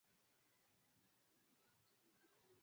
Nimebadili maamuzi Julliealijibu Daisy kwa mkaato